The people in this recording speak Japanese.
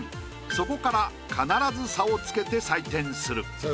そこから必ず差をつけて採点する。